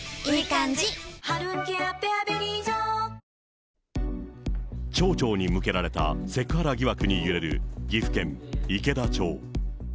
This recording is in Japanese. きょう、町長に向けられたセクハラ疑惑に揺れる岐阜県池田町。